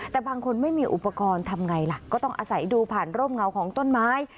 แต่บางคนไม่มีอุปกรณ์ทำไงล่ะก็ต้องอาศัยดูผ่านร่มเงาของต้นไม้